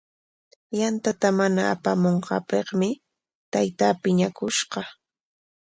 Yantata mana apamunqaapikmi taytaa piñakushqa.